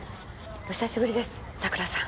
お久しぶりです佐倉さん。